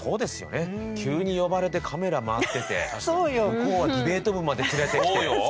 急に呼ばれてカメラ回ってて向こうはディベート部まで連れてきて。